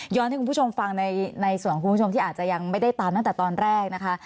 ให้คุณผู้ชมฟังในส่วนของคุณผู้ชมที่อาจจะยังไม่ได้ตามตั้งแต่ตอนแรกนะคะ